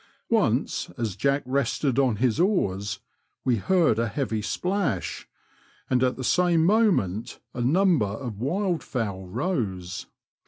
Once, as Jack rested on his oars, we heard a heavy splash, and at the same moment a number of wild fowl rose.